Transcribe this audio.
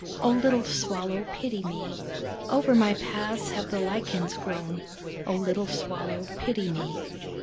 Oh little Swallow pity me. Over my paths have the lichens grown, Oh little Swallow pity me.